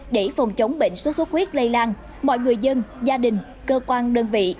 để phòng chống bệnh sốt xuất huyết lây lan mọi người dân gia đình cơ quan đơn vị